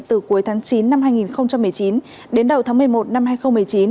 từ cuối tháng chín năm hai nghìn một mươi chín đến đầu tháng một mươi một năm hai nghìn một mươi chín